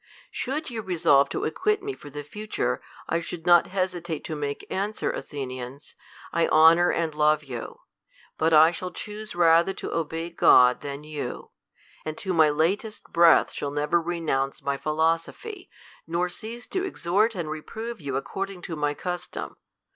Should you resolve to acquit me for the future, i should not hesitate to make answer, Athenians, I honor and love you ; bat I shall choose rather to obey God tlian you ; and to my latest breath shall never renounce my philosophy, nor cease to exhort and reprove you according to my custom.